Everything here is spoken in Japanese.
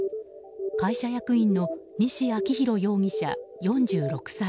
会社役員の西昭洋容疑者、４６歳。